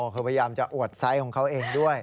คือพยายามจะอวดไซส์ของเขาเองด้วย